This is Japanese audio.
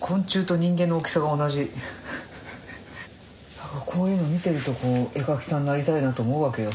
何かこういうのを見てるとこう絵描きさんになりたいなと思うわけよ。